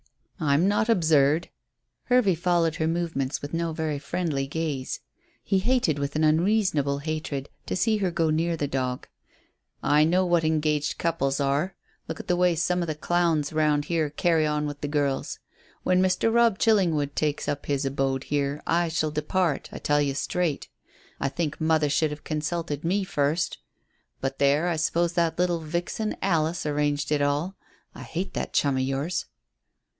"I'm not absurd." Hervey followed her movements with no very friendly gaze. He hated with an unreasonable hatred to see her go near the dog. "I know what engaged couples are. Look at the way some of the clowns around here carry on with their girls. When Mr. Robb Chillingwood takes up his abode here, I shall depart, I tell you straight. I think mother should have consulted me first. But, there, I suppose that little vixen Alice arranged it all. I hate that chum of yours."